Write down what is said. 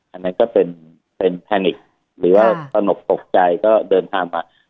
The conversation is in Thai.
อันนั้นก็เป็นแพนิกหรือว่าตนกตกใจก็เดินทางมา